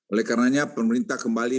oleh karenanya pemerintah kembali